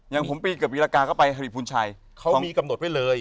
ยังผมปีเกือบปีละกาลก็ไปหรือภูมิชัยเขามีกำหนดไว้เลย